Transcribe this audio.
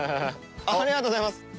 ありがとうございます。